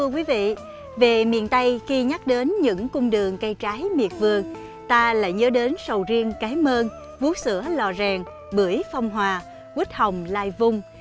quý vị về miền tây khi nhắc đến những cung đường cây trái miệt vườn ta lại nhớ đến sầu riêng cái mơn vú sữa lò rèn bưởi phong hòa quýt hồng lai vung